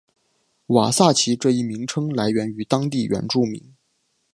瓦萨奇这一名称来自于当地原住民。